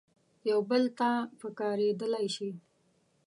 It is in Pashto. یو بل ته پکارېدلای شي.